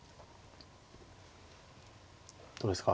どうですか。